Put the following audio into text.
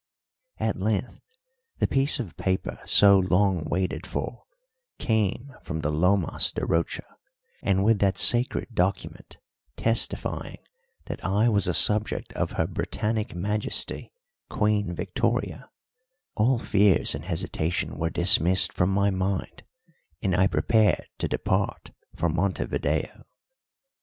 At length the piece of paper so long waited for came from the Lomas de Rocha, and with that sacred document, testifying that I was a subject of Her Britannic Majesty, Queen Victoria, all fears and hesitation were dismissed from my mind and I prepared to depart for Montevideo.